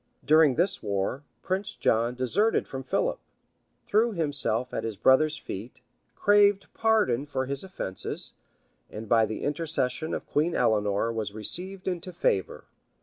During this war, Prince John deserted from Philip, threw himself at his brother's feet, craved pardon for his offences, and by the intercession of Queen Eleanor was received into favor.